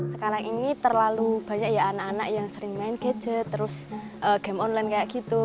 sekarang ini terlalu banyak ya anak anak yang sering main gadget terus game online kayak gitu